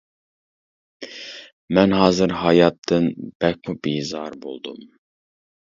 مەن ھازىر ھاياتتىن بەكمۇ بىزار بولدۇم.